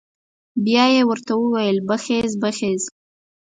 بيا یې ورته وويل بخېز بخېز.